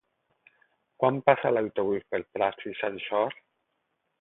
Quan passa l'autobús per Prats i Sansor?